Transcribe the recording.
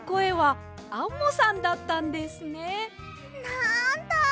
なんだ！